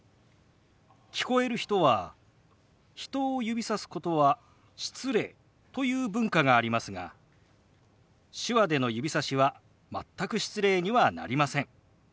聞こえる人は「人を指さすことは失礼」という文化がありますが手話での指さしは全く失礼にはなりません。